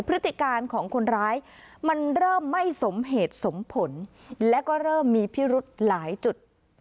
พฤติการของคนร้ายมันเริ่มไม่สมเหตุสมผลและก็เริ่มมีพิรุธหลายจุด